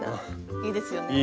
いいですね。